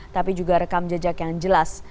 tapi juga rekam jejak yang jelas